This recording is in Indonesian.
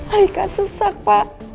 alika sesak pak